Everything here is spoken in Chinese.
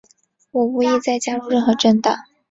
我无意再加入任何政党。